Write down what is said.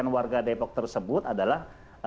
warga depok tersebut adalah